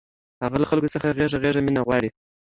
هغه له خلکو څخه غېږه غېږه مینه غواړي